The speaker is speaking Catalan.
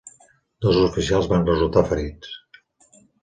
Dos oficials van resultar ferits.